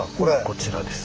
こちらです。